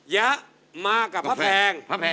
ยะมากับพระแพง